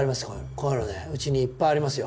こういうのねうちにいっぱいありますよ。